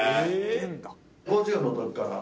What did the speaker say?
５０の時から。